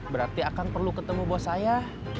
berarti akang perlu ketemu bos saya